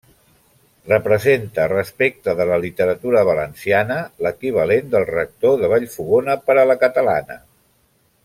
Representa, respecte de la literatura valenciana, l'equivalent del Rector de Vallfogona per a la catalana.